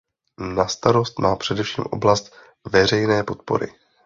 Na starost má především oblast veřejné podpory.